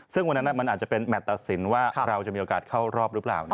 ซึ่งวันนั้นมันอาจจะเป็นแมทตัดสินว่าเราจะมีโอกาสเข้ารอบหรือเปล่า